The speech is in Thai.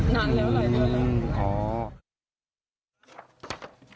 นานเท่าไหร่นานเท่าไหร่